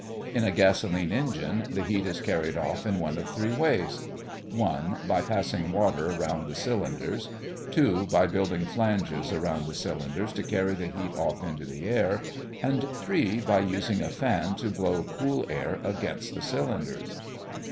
In a gasolene engine the heat is carried off in one of three ways: (1) by passing water around the cylinders; (2) by building flanges around the cylinders to carry the heat off into the air; and (3) by using a fan to blow cool air against the cylinders.